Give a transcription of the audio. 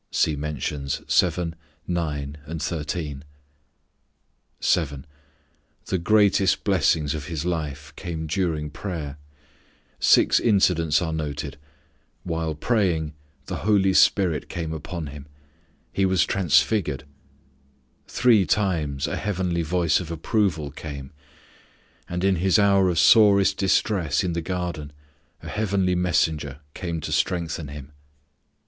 (See mentions 7, 9 and 13.) 7. The greatest blessings of His life came during prayer: Six incidents are noted: while praying, the Holy Spirit came upon Him; He was transfigured; three times a heavenly voice of approval came; and in His hour of sorest distress in the garden a heavenly messenger came to strengthen Him.